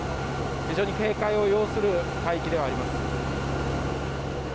非常に警戒を要する海域ではあります。